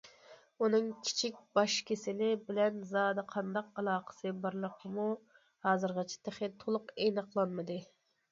ئۇنىڭ كىچىك باش كېسىلى بىلەن زادى قانداق ئالاقىسى بارلىقىمۇ ھازىرغىچە تېخى تولۇق ئېنىقلانمىدى.